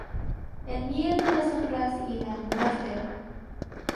El miedo, las sombras y la muerte.